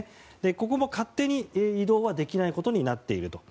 ここも勝手に移動できないことになっていると。